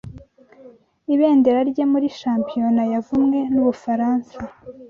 ibendera rye muri shampiyona yavumwe n'Ubufaransa